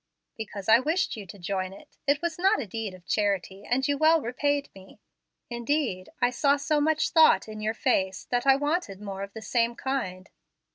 "Because I wished you to join it. It was not a deed of charity, and you well repaid me. Indeed, I saw so much thought in your face, that I wanted more of the same kind."